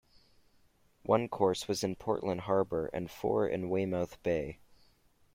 One course was in Portland Harbour and four in Weymouth Bay.